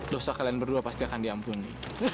dosa kalian berdua pasti akan diampuni